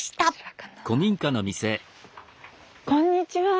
こんにちは。